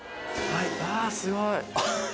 うわすごい！